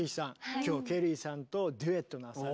今日ケリーさんとデュエットなさる。